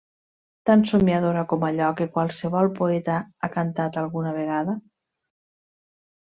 Tan somiadora com allò que qualsevol poeta ha cantat alguna vegada?